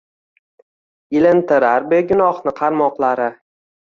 Ilintirar begunohni qarmoqlari